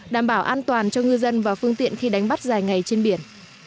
đảm bảo an toàn cho ngư dân và phương tiện khi đánh bắt dài ngày trên biển